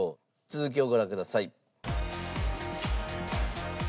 続きをご覧ください。